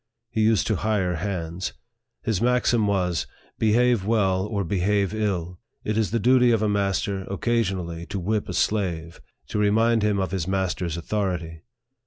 He used to hire hands. His maxim was, Behave well or behave ill, it is the duty of a master occasionally to whip a slave, to remind him of his master's authority.